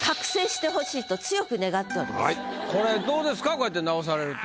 こうやって直されると。